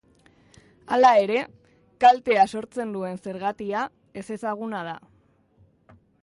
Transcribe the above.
Hala ere, kaltea sortzen duen zergatia ezezaguna da.